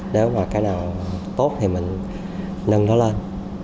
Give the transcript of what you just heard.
nếu mà cái nào tốt thì mình nâng nó lên